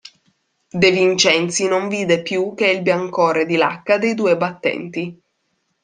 De Vincenzi non vide più che il biancore di lacca dei due battenti.